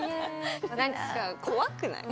何か怖くない？